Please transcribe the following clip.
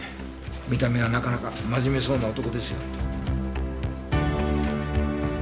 見た目はなかなか真面目そうな男ですよ。